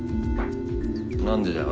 何でだよ？